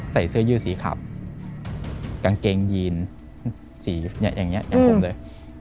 ใส่เสื้อยืดสีขาวกางเกงยีนสีอย่างนี้อย่างผมเลย